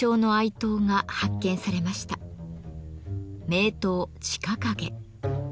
名刀「近景」。